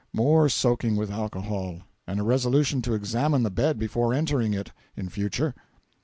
More soaking with alcohol, and a resolution to examine the bed before entering it, in future.